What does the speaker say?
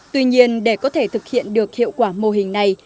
tuy nhiên để có thể thực hiện được hiệu quả mô hình này